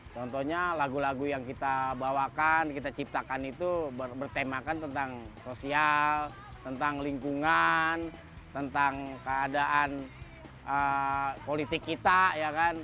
contohnya lagu lagu yang kita bawakan kita ciptakan itu bertemakan tentang sosial tentang lingkungan tentang keadaan politik kita ya kan